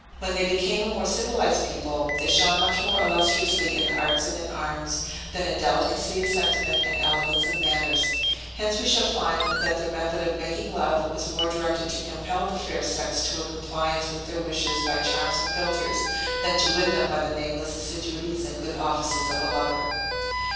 When they became a more civilized people, they shone much more illustriously in arts and in arms, than in delicacy of sentiment and elegance of manners: hence we shall find, that their method of making love was more directed to compel the fair sex to a compliance with their wishes by charms and philtres, than to win them by the nameless assiduities and good offices of a lover.